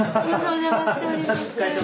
おじゃましております。